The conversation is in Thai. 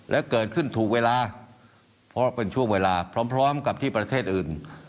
และเกิดขึ้นถูกเวลาเพราะเป็นช่วงเวลาพร้อมกับที่ประเทศอื่น